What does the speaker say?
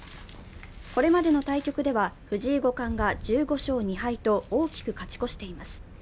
これまでの対局では藤井五冠が１５勝２敗と大きく勝ち越しています。